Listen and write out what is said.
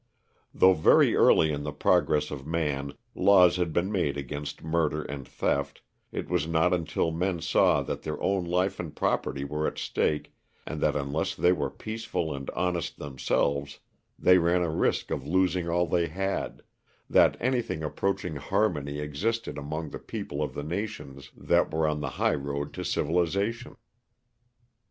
Though very early in the progress of man laws had been made against murder and theft, it was not until men saw that their own life and property were at stake, and that unless they were peaceful and honest themselves they ran a risk of losing all they had, that anything approaching harmony existed among the people of the nations that were on the high road to civilisation.